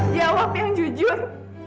jawab yang jujur